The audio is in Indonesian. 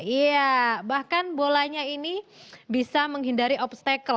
iya bahkan bolanya ini bisa menghindari obstacle